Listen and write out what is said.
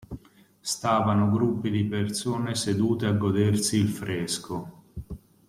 Stavano gruppi di persone sedute a godersi il fresco.